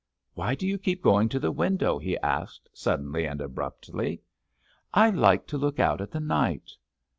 "Why do you keep going to the window?" he asked, suddenly and abruptly. "I like to look out at the night."